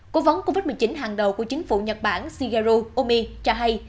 cố vấn covid một mươi chín hàng đầu của chính phủ nhật bản shigeru omi cho hay